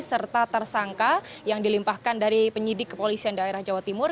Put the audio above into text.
serta tersangka yang dilimpahkan dari penyidik kepolisian daerah jawa timur